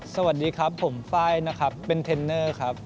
สวัสดีครับผมไฟล์นะครับเป็นเทรนเนอร์ครับ